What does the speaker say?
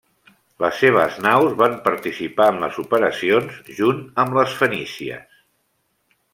Les seves naus van participar en les operacions junt amb les fenícies.